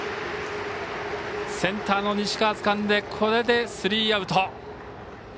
センターの西川つかんでこれで、スリーアウト。